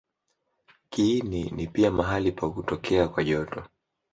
Kiini ni pia mahali pa kutokea kwa joto.